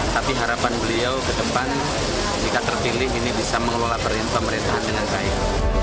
tapi harapan beliau ke depan jika terpilih ini bisa mengelola pemerintahan dengan baik